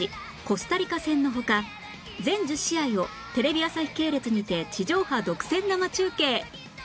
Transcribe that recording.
コスタリカ戦の他全１０試合をテレビ朝日系列にて地上波独占生中継